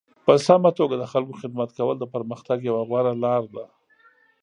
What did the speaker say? په سمه توګه د خلکو خدمت کول د پرمختګ یوه غوره لاره ده.